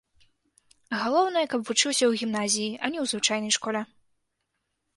Галоўнае, каб вучыўся ў гімназіі, а не ў звычайнай школе.